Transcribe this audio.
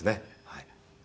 はい。